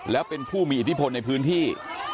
แล้วเป็นผู้มีอิทธิพลในพื้นที่